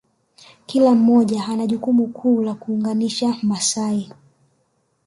kila moja ina jukumu kuu la kuunganisha Maasai